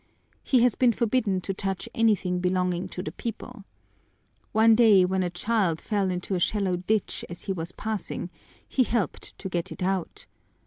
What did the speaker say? He has been forbidden to touch anything belonging to the people. One day when a little child fell into a shallow ditch as he was passing, he helped to get it out.